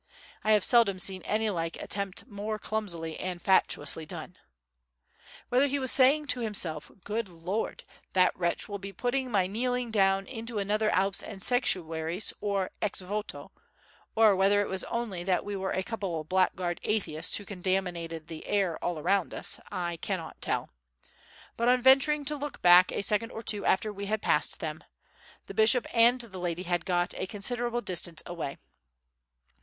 I have seldom seen any like attempt more clumsily and fatuously done. Whether he was saying to himself, "Good Lord! that wretch will be putting my kneeling down into another Alps and Sanctuaries or Ex Voto"; or whether it was only that we were a couple of blackguard atheists who contaminated the air all round us, I cannot tell; but on venturing to look back a second or two after we had passed them, the bishop and the lady had got a considerable distance away.